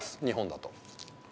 日本だと。